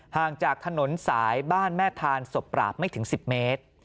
ห่างจากถนนสายบ้านแม่ทานศพปราบไม่ถึง๑๐เมตร